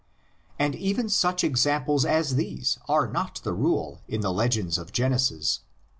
59 And even such examples as these are not the rule in the legends of Genesis.